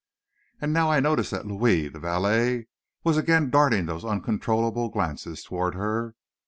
And now I noticed that Louis, the valet, was again darting those uncontrollable glances toward her.